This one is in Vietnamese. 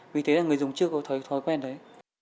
vì thế là người dùng chưa có thấy thói quen đấy